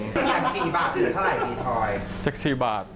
จาก๔บาทเหลือเท่าไหร่ดีทอย